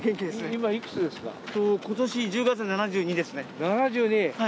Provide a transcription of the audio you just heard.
今年１０月で７２ですね。